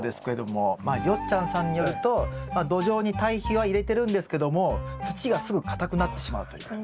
よっちゃんさんによると土壌に堆肥は入れてるんですけども土がすぐかたくなってしまうという。